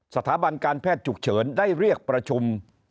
สถาบันการแพทย์ฉุกเฉินได้เรียกประชุม